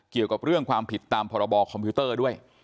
เกี่ยวกับเรื่องความผิดตามพรบคอมพิวเตอร์ด้วย